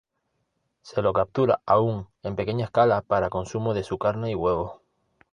Se lo captura aún en pequeña escala para consumo de su carne y huevos.